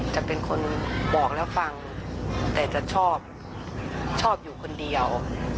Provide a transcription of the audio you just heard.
จะเป็นคนบอกแล้วฟังแต่จะชอบชอบอยู่คนเดียว